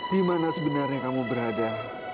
dimana sebenarnya kamu berada